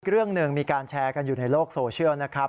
เรื่องหนึ่งมีการแชร์กันอยู่ในโลกโซเชียลนะครับ